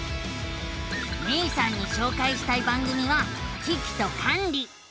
めいさんにしょうかいしたい番組は「キキとカンリ」。